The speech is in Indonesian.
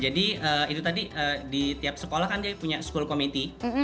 jadi itu tadi di tiap sekolah kan dia punya school committee